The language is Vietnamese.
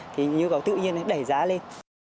thì nhu cầu tự nhiên nó đẩy giá lên